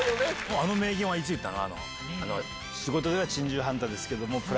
あの名言いつ言ったの？